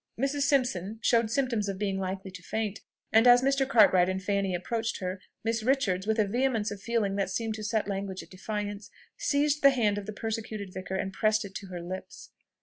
Mrs. Simpson showed symptoms of being likely to faint; and as Mr. Cartwright and Fanny approached her, Miss Richards, with a vehemence of feeling that seemed to set language at defiance, seized the hand of the persecuted vicar and pressed it to her lips.